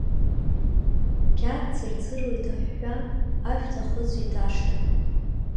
Қьаад цырцырла иҭаҳәҳәа, ашәҭ ахыҵәеит ашҭа.